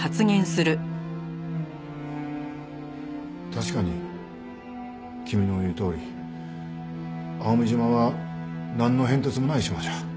確かに君の言うとおり蒼海島はなんの変哲もない島じゃ。